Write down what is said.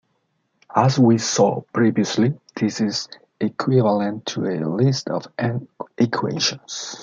As we saw previously, this is equivalent to a list of "n" equations.